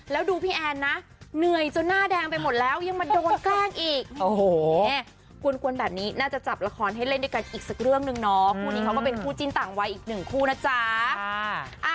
แล้วพี่แอนก็จะออกไว้อีกหนึ่งคู่นะจ๊ะ